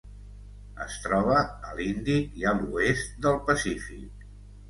Es troba a l'Índic i a l'oest del Pacífic.